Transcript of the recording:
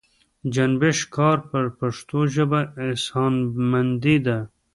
د جنبش کار پر پښتو ژبه احسانمندي ده.